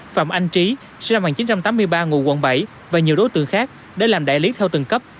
phạm anh trí sinh năm một nghìn chín trăm tám mươi ba ngụ quận bảy và nhiều đối tượng khác để làm đại lý theo từng cấp